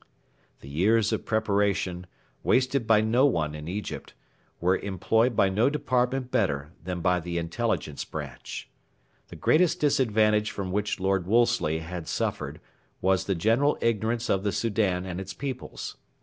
The years of preparation, wasted by no one in Egypt, were employed by no department better than by the Intelligence Branch. The greatest disadvantage from which Lord Wolseley had suffered was the general ignorance of the Soudan and its peoples.